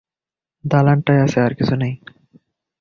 দালানটাই আছে, আর কিছুই নেই।